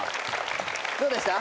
どうでした？